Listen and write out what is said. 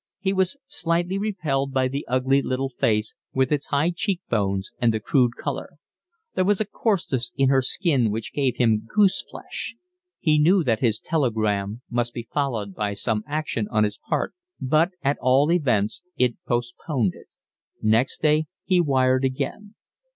He was slightly repelled by the ugly little face, with its high cheekbones and the crude colour. There was a coarseness in her skin which gave him goose flesh. He knew that his telegram must be followed by some action on his part, but at all events it postponed it. Next day he wired again.